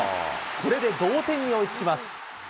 これで同点に追いつきます。